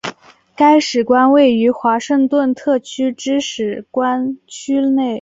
该使馆位于华盛顿特区之使馆区内。